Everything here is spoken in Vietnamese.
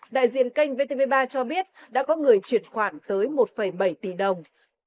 đại diện kênh vtv ba cho biết đã có người chuyển khoản tới một bảy tỷ đồng